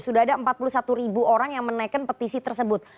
sudah ada empat puluh satu ribu orang yang menaikkan petisi tersebut